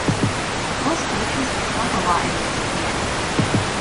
Most glaciers have shrunk a lot in recent years.